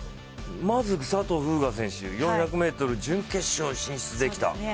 まず、佐藤風雅選手、４００ｍ準決勝進出できた。